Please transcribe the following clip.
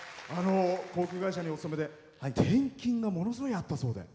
航空会社にお勤めで転勤がものすごいあったそうで。